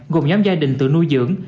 gồm nhóm gia đình tự nuôi dưỡng